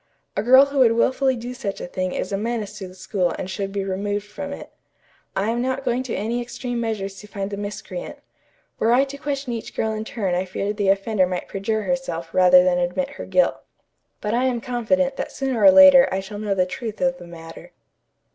A girl who would wilfully do such a thing is a menace to the school and should be removed from it. I am not going to any extreme measures to find the miscreant. Were I to question each girl in turn I fear the offender might perjure herself rather than admit her guilt. But I am confident that sooner or later I shall know the truth of the matter."